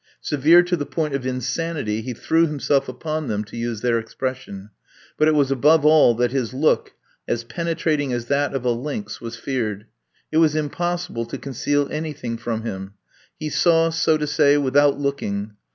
Severe to the point of insanity, "he threw himself upon them," to use their expression. But it was above all that his look, as penetrating as that of a lynx, was feared. It was impossible to conceal anything from him. He saw, so to say, without looking.